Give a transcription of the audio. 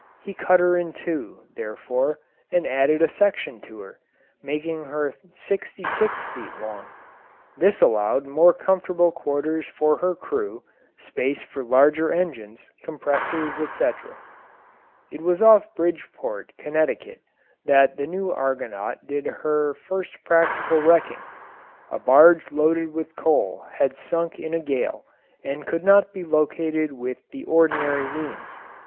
He cut her in two, therefore, and added a section to her, making her sixty six feet long; this allowed more comfortable quarters for her crew, space for larger engines, compressors, etc. It was off Bridgeport, Connecticut, that the new Argonaut did her first practical wrecking. A barge loaded with coal had sunk in a gale and could not be located with the ordinary means.